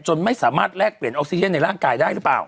ไม่สามารถแลกเปลี่ยนออกซิเจนในร่างกายได้หรือเปล่า